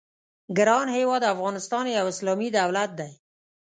ګران هېواد افغانستان یو اسلامي دولت دی.